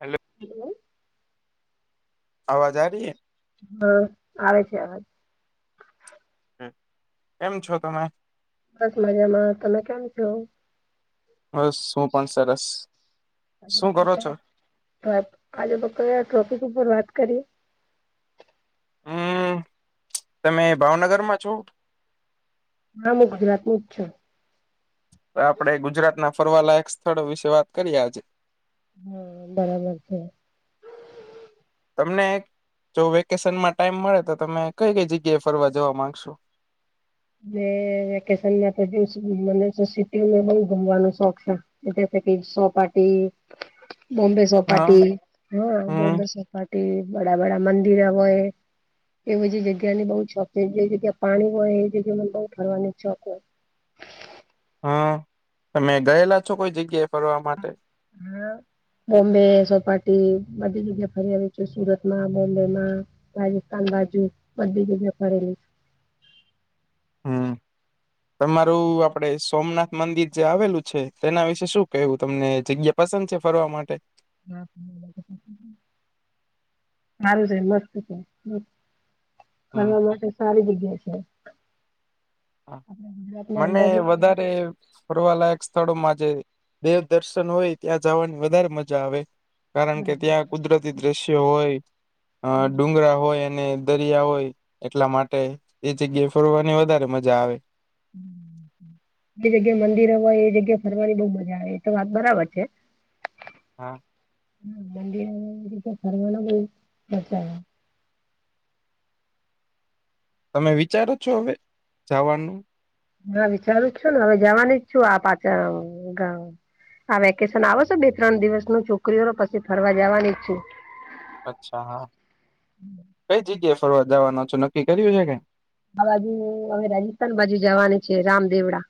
Hello. Hello. આવાજ આ રહી હે. હા આવે છે અવાજ. હ કેમ છો તમે. બસ મજામાં તમે કેમ છો. શું કરો છો. તો આજે બક્તો ટ્રોફિક ઉપર વાત કરી. હમ તમે ભાવનગર માં છો. હા હું ગુજરાત ની જ છું આપડે ગુજરાત ના ફરવાલાાયક સ્થળો વિશે વાત કરીએ આજે. હા બરાબર છે. તમને જો વેકેશનમાં ટાઈમ મળે તો તમે કઈ કઈ જગ્યાએ ફરવા જવા માંગશો. વેકેશનમાં તો જોશું મને તો સિટી બો ગુમવાનો શોખ છે. [unintelligible] કે સોપાટી બોમ્બે હા સોપાટી હા હમ બોમ્બે સો ચોપાટી બડા બડા મંદિર આવે. એ બીજી જગ્યા ની બહુ જ શોખીન જે જગ્યાએ પાણી હોય એ જગ્યાને બહુ ફરવાની ઈચ્છા હોય. હા તમે ગયેલા છો કોઈ જગ્યાએ ફરવા માટે. હા બોમ્બે સોપાટી બધી જગ્યા ફરી આવી છે સુરત માં બોમ્બેમાં. રાજસ્થાન બાજુ બધી જગ્યા ફરેલી. હમ તમારું આપડે સોમનાથ મંદિર જે આવેલું છે તેના વિશે શું કેવું તમને જગ્યા. પસંદ છે ફરવા માટે. હ સારું છે મસ્ત છે. હમ ફરવા માટે સારી જગ્યા છે. આપણા ગુજરાતમાં મને અંબાજી નું વધારે. મંદિર ફરવાલાયક સ્થળોમાં જે દેવદર્શન હોય ત્યાં જવાની વધારે મજા આવે. કારણ કે બરાબર છે. ત્યાં કુદરતી દ્રશ્ય હોય અ ડુંગરા હોય અને દરિયા હોય એટલા માટે એ જગ્યા ફરવાની વધારે મજા આવે. [unintelligible] એ જગ્યા મંદિર હોય એ જગ્યા ફરવાની બહુ મજા આવે એ તો વાત બરાબર છે. હા હા મંદ ઘરમાં ના કોઈ બચા તમે વિચારો છો હવે જાવાનું. હા વિચારું છું ને હવે જવાની જ છું આ પાછા ગ આ વેકેશન આવે છે બે ત્રણ દિવસ ન છોકરીઓને પછી ફરવા જવાની છું. અચ્છા હા કઈ જગ્યા ફરવા જવાનો નક્કી કર્યું છે કે. આ બાજુ હવે રાજસ્થાન બાજુ જવાની છે રામદેવડા.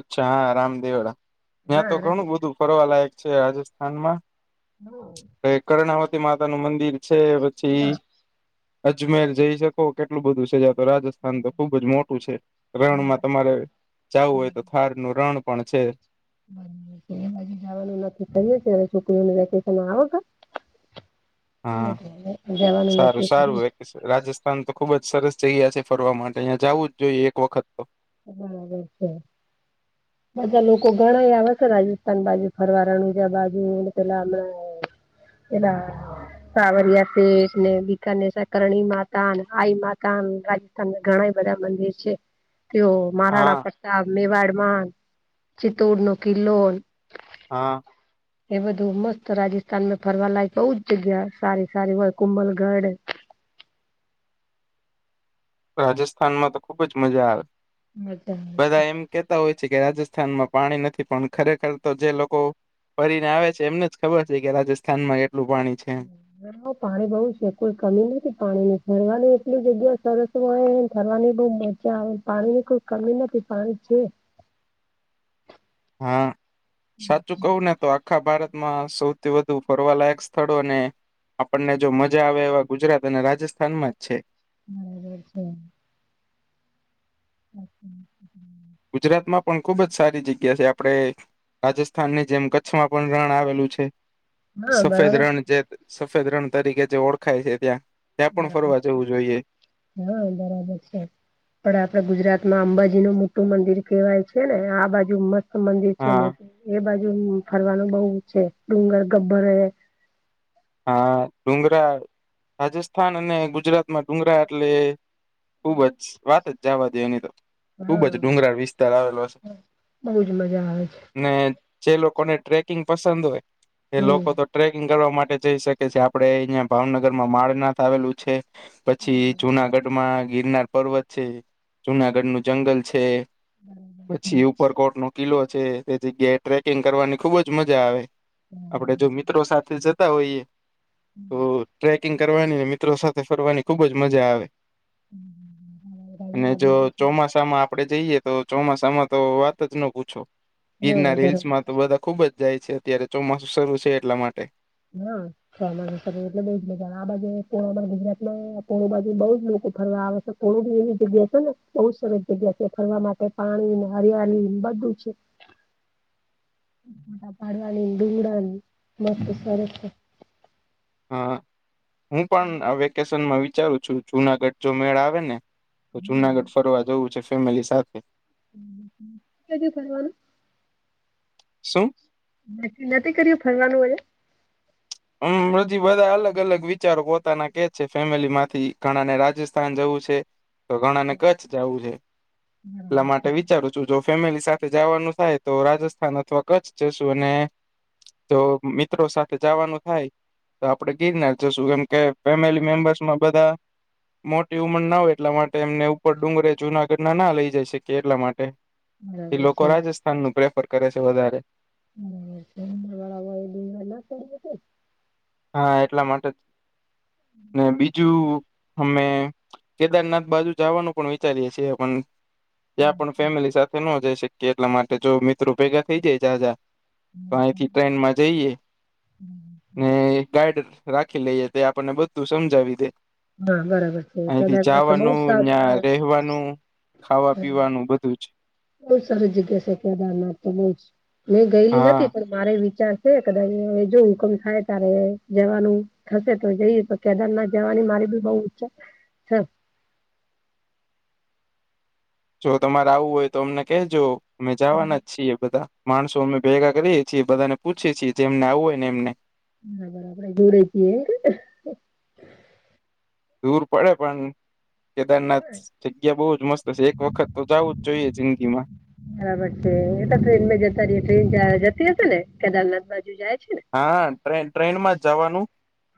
અચ્છા હા રામદેવડા ત્યાં હા તો રામ ઘણું બધું ફરવા લાયક છે રાજસ્થાનમાં. હ [unintelligible] કર્ણાવતી માતા નું મંદિર છે પછી. અજમેર જઈ શકો કેટલું બધું છેજ. તો રાજસ્થાન તો ખુબ જ મોટું છે હા રણમાં તમારે જાવું હોય તો. ફારનું રણ પણ છે. બર બાજુ જવાનું નથી થય હવે છોકરીઓને વેકેશન આવે [unintelligible] જવાનું સારું નક્કી કર્યું. સારું રાજસ્થાન તો ખુબ જ સરસ જગ્યા છે ફરવા માટે અહીંયા જાવું જ જોઈએ એક વખત તો. બરાબર છે [unintelligible] બધા લોકો ઘણાં આવે છે રાજસ્થાન બાજુ ફરવા રણુજા બાજુ પેલા હમણાં. એના સાવરિયા સેઠ ને બિકાનેર ને કરણી માતા આઈ માતા. તમને ઘણા બધા મંદિર છે. તેઓ હા મહારાણા પ્રતાપ મેવાડમાં ચિત્તોડ નો કિલ્લો હા એ બધું મસ્ત રાજસ્થાનમાં ફરવા લાયક બઉુ જ જગ્યા સારી સારી હોય કુંમલગઢ. રાજસ્થાનમાં તો ખુબ જ મજા આવે મજા આવે બધા છે. એમ કે. હોય છે કે રાજસ્થાનમાં પાણી નથી પણ ખરેખર તો જે લોકો. ફરીને આવે છે એમને જ ખબર છે કે રાજસ્થાનમાં એટલું પાણી. છે પાણી બહુ છે કોઈ કમી નથી પાણી ની ફરવાની એટલી જગ્યા સરસ તોય થરવાની બહ મજા આવે પાણીની કોઈ કમી નથી પાણી છે. હા સાચું કવું ને તો આ આખા ભારતમાં સૌથી વધુ ફરવાલાયક સ્થળો અને. આપણને જો મજા આવે એવા ગુજરાત અને રાજસ્થાનમાં જ છે. હા છે અચ્છા હ ગુજરાતમાં પણ ખુબ જ સારી જગ્યા છે આપડણે. રાજસ્થાન ની જેમ કચ્છમાં પણ રણ આવેલું છે. હા સફેદ બરાબર રણ જે સફેદ રણ તરીકે જે ઓળખાય છે ત્યાં. ત્યાં પણ બરાબર ફરવા છે જવું જોઈએ હ બરાબર છે. પણ આપડે ગુજરાત માં અંબાજી નું મોટું મંદિર કહેવાય છે ને આ બાજુ મસ્ત મંદિર છે હા મોટું એ બાજુ ફરવાનું બઉ છે ડુંગર ગબ્બરએ હા ડુંગરા રાજસ્થાન અને ગુજરાતમાં ડુંગરા એટલે ખુબ જ વાત જ જાવા દેએની તો. ખુબ જ હા ડુંગરાળ વિસ્તાર આવેલો છ બહુ જ મજા આવે છે. ને જે લોકોને ટ્રેકિંગ પસંદ હોય એ હમ લોકો તો ટ્રેકિંગ કરવા માટે જઈ શકે છે આપડે અહિયાં ભાવનગર માં માળનાથ આવેલું છે પછી જુનાગઢ માં ગિરનાર પર્વત છે જુનાગઢ નું જંગલ છે પછી ઉપરકોટ નો કિલ્લો છે તે જગ્યાએ ટ્રેકિંગ કરવાની ખુબ જ મજા આવે. આપડે જો મિત્રો સાથે જતા હોઈએ તો ટ્રેક કિંગ કરવાની મિત્રો સાથે ફરવાની ખુબ જ મજા આવે. અને આ જો ગુજરાતમાં ચોમાસામાં આપડે જઈએ તો ચોમાસામાં તો વાત જ ન પૂછો હા ગીરનાર બરાબર હીલ્સમાં તો બધા ખુબ જ જાય છે અત્યારે ચોમાસું શરૂ છે એટલા માટે. હમ. સનાના એટલે બહુજ મજા આવે આ બાજુ અમારા ગુજરાતમાં કો બાજુ બહુ જ લોકો ફરવા આવે છે. ઘણું બી એવી જગ્યા છે ને બહુ સરસ જગ્યા છે ફરવા માટે પાણી ન હરિયારીન બધું જ છે. ફોટા પાડવાનીન ડુંગરા ન બધું સરસ છે. હા હું પણ આ વેકેશનમાં વિચારું છું જુનાગઢ જો મેળ આવે ને. તો હા જુનાગઢ ફરવા જવું છે ફેમિલી સાથે. કેજું ફરવાનું. શું? નકકી નથી કર્યું ફરવાનું હજે. હમ હજી બધા અલગ અલગ વિચારો પોતાના કે છે ફેમિલીમાંથી ઘણા ને રાજશ સ્થાન જવું છે તો ઘણાને કચ્છ જાવું છે બરાબર એટલા છે માટે વિચારું જો જો ફેમિલી સાથે જાવાનું થાય તો રાજસ્થાન અથવા કચ્છ જશું અને તો મિત્રો સાથે જાવાનું થાય તો આપડે ગીરનાર જ શું કેમ કે ફેમિલી મેમ્બર્સમાં બધા મોટી ઉંમર ના હોય એટલા માટે એમને ઉપર ડુંગરે જુનાગઢ ના ના લઇ જાય શકીએ એટલા માટે. એ બરાબર લોકો છે રાજસ્થાન નું પ્રેફર કરે છે વધારે. હમ હમવારા બીમાર ના પડીયે શું? હા એટલા માટે ને બીજું અમે કેદારનાથ બાજુ જાવાનું પણ વિચારીએ છીએ પણ ત્યાં પણ ફેમિલી સાથે નો જઈ શકીએ એટલા માટે જો મિત્રો ભેગા થઈ જાય જાજા. તો આહીથી ટ્રેન માં જઈએ હમ. ને એક ગાઈડ રાખી લઈએ તે આપણને બધું સમજાવી દે. હા બરાબર છે અહીથી કેદારનાથ તો બહુ જાવાનું સારું યાં રહેવાનું ખાવા પીવાનું બધું જ બહ સરારી જગ્યા છે કેદાર ના તો બ મેં ગયેલી હા નથી મારે વિચાર છે કદાચ જો હુકમ થાય ત્યારે જવાનું થશે તો જઈએ તો કેદારનાથ જાવાની મારી બી બઉ ઈચ્છા છે જો તમાર આવું હોય તો અમને કહેજો અમે જાવાના જ છીએ બધા. માણસો અમે ભેગા કરીએ છીએ બધાને પૂછએ છીએ જેમને આવવું હોય ને એમને. નાા બરાબર જોડે જીએ. દૂર પડે પણ કેદારનાથ જગ્યા બહુ જ મસ્ત હશે એક વખત તો જવું જ જોઈએ જિંદગી માં. બરાબર છે એ તો ટ્રેન જતા ર ટ્રેન જતી હશે ને કેદારનાથ બાજુ જાય છે ને. હા ટ ટ્રેન માં જ જવાનું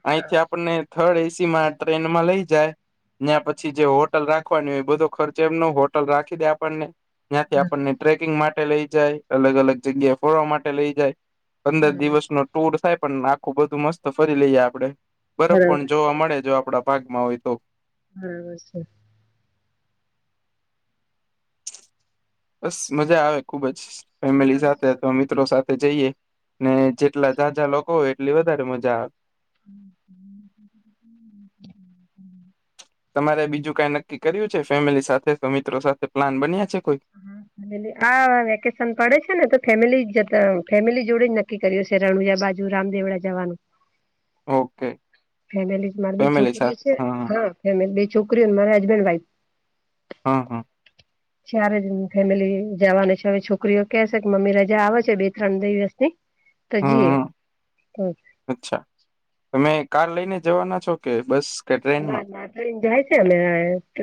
અહીંથી આપણને. થર્ડ એસી માં ટ્રેનમાં લઈ જાય. ત્યાં પછી જે હોટલ રાખવાની હોય એ બધો ખર્ચે એમ ન હોટલ રાખી દે આપણને. ત્યાંથી આપણને ટ્રેકિંગ માટે લઈ જાય અલગ અલગ જગ્યાએ ફોરવા માટે લઈ જાય. પંદર દિવસ ન ટુર થાય પણ આખું બધું મસ્ત ફરી લઈએ આપડે. બરફ બરાબર પણ છે જોવા મળે જો આપડા ભાગમાં હોય. તો હા બ. બસ મજા આવે ખુબ જ ફેમિલી સાથે. તો મિત્રો સાથે જઈએ ને જેટલા જાઝઝા લોકો હોય એટલી વધારે મજા આવે. હ. તમારે બીજું કઈ નક્કી કર્યું છે ફેમિલી સાથે તો મિત્રો સાથે પ્લાન બન્યા છે કોઈ. હા વેકેશન પડે છે ને તો ફેમિલી જ ફેમિલી જોડે જ નક્કી કરીએ. શરણુયા બાજુ રામદેવડા જવાનું. [inaudible] ફેમિલી માર બી ફેમિલી છોકરીઓ સાથે છે હા. ફેમ બે છોકરીઓને મારા હસબન્ડ વાઇફ. હા હા. જ્યારે જ ફેમિલી જવાનું છે હવે છોકરીઓ કે છે કે મમ્મી રજા આવે છે બે ત્રણ દિવસની. [inaudible] તજીી એ હ. અચ્છા તમે કાર લઈને જવાના છો કે બસ. કે ના ટ્રેનમાં ના જાય છે અ ડારેક્ટ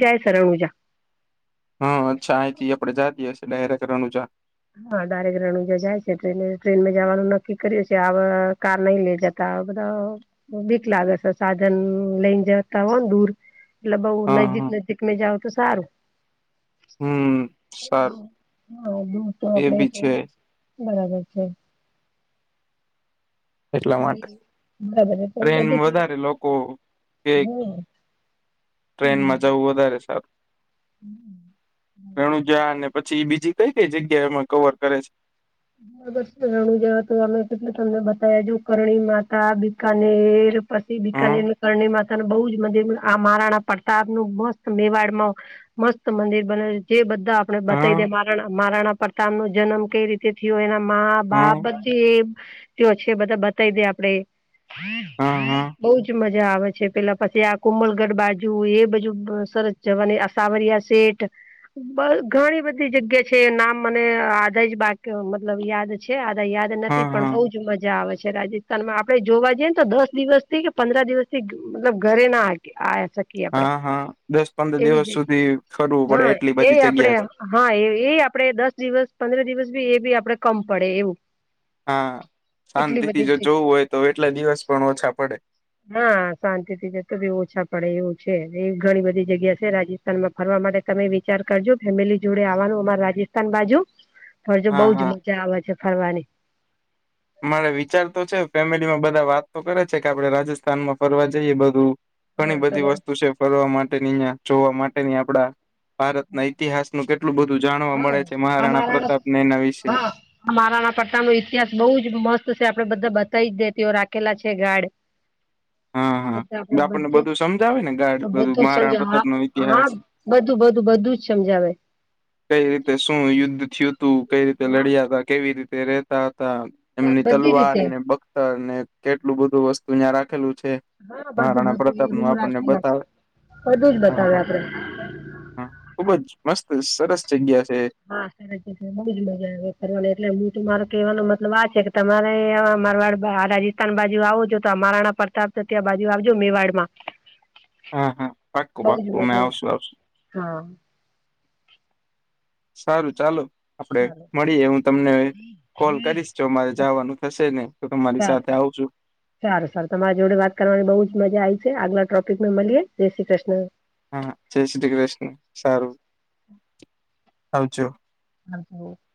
જાય છે રણ ઉજા. હા અચ્છા અહીંથી આપડે જએ છીએ ડાયરેક્ટ રનુજા. હા ડારેક રણ ઉજા જાય છે ટ્રે ટ્રેનમાં જવાનું નક્કી કર્યું છે આ કાર નહી લે જતા. બધા બીક લાગે છે સાધન લઈને જતા હો દૂર. એટલે બઉુ હા નજદીક હા નજીક મે જાાવ તો સારું. હમ સારું હા દ તો એ બી આપડે છે બરાબર છે. એટલા માટે બરાબર ટ્રેન બધી વધારે લોકો. કે હમ. ટ્રેનમાં બરાબર જવું વધારે સર. રેણુજા અને પછી બીજી કઈ કઈ જગ્યા એમાં કવર કરે છે. રણું જવા તો અમે કેટલું તમને બતાવ છ કરણી માતા બિકનેર. પછી હમ બીકાનેરું કરણી માતાને બહુ જ મંદિર આ મહારાણા પ્રતાપ નું મસ્ત મેવાડ માં. મસ્ત મંદિર બને છે જે બધા. આપણે બતાવી દે હમ મા મહરાણા પરતામ નો જન્મ કઈ રીતે થયો એના મા બાપ હમ બા. એ છે બધા બતાવી દે આપડે હા હા બ. મજા આવે છે પેલા પછી આ કુંમલગઢ બાજુ એ બધું સરસ જવાની. સાવરિયા સે ઘણી બધી જગ્યા છે નામ મને આદ જ બાકી. મતલબ યાદ છે આદા યાદ નથી હા પણ હા બ. મજા આવે છે રાજસ્થાનમાં આપડણે જોવા જઈએને તો દસ દિવસ થી કે પંદર દિવસ થી. મતલબ ઘરે ના આ. શકીએ આપડે હા હા દસ પંદર એવી દિવસ જ સુધી કરરવું પડે એટલી બધી આપડે જગ્યા છે. હા એ એ આપડે દસ દિવસ પંદર દિવસ બી એ બી આપડે કમ પડે એવું. હા એટલી શાંતિથી બધી જો જગ્યા જોવું હોય તો એટલા દિવસ પણ ઓછા પડે. હા શાંતિથીતે તો બી ઓછા પડે એવું છે એ ઘણી બધી જગ્યા છે રાજ. માં ફરવા માટે તમે વિચાર કરજો ફેમિલી જોડે આવવાનું અમાર રાજસ્થાન બાજુ. [inaudible] ફરજો બઉજ હા મજા આવેછે ફરવાની. મારે વિચાર તો છે, ફેમિલીમાં બધા વાત તો કરે છે કે આપડે રાજસ્થાનમાં ફરવા જઈએ બધું હા ઘણી બધી તમા વસ્તુ છે ફરવા માટેની અહિયાં જોવા માટેની આપડા ભારતના ઈતિહાસનું કેટલું બધું જાણવા હા મળે છે મહારાણા અમારા પ્રતાપને એના વિશે હા મહારાણા પ્રતાનો ઇતિહાસ બહુ જ મસ્ત છે, આપડે બધા બતાવી જ દે તેઓ રાખેલા છે, ગાર્ડ હા હ બધા હા આપડે આપણને બધે બધું સમજાવે ને ગાર્ડ બધું જ સમજ મહારાણ હા પ્રતાપ નો હા ઇતિહાસ બધું બધું બધુંજ સમજાવે. કઈ રીતે શું યુદ્ધ થયું હતું, કઈ રીતે હા લડ્યા હતા, કેવી રીતે રેહતા હતા. એમની બધી તલવાર રીતે ને બખ્તર ને કેટલું બધું વસ્તુ ન્યા રાખેલું છે. હા બધું મહારાણા બધું એ પ્રતાપ નું રૂમ આપણને રાખેલા છે બતાવે બધું જ હા બતાવે હા. આપડે હ ખુબ જ મસ્ત સરસ જગ્યા છે. હા [unintelligible] બઉુજ મજા આવે ફરવાની એટલે હુ તો મારો કેવાનો મતલબ આ છે કે તમારે આ મારવાડ વાહ રાજસ્થાન બાજુ આવોજો, તો મારાણા પ્રતાપ છે ત્યાં બાજુ આવજો મેવાડ માં. હા હા પાક્કું પાક્કું મજા અમે આવે. આવશું આવશું હા સારું ચાલો આપડે સારું મળીએ હું તમને કોલ કરીશ જો મારે જાવાનું થશે ને તો તમારી સારું સાથે આવજો. સારું સારું તમારી જોડે વાત કરવાની બઉુજ મજા આઈ છે, આગલા ટોપિક મા મલીએ જય શ્રી કૃષ્ણ. હા, જઈ શ્રી કૃષ્ણ, સારું આવજો. [unintelligible]